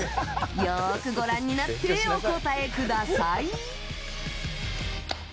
よくご覧になってお答えください。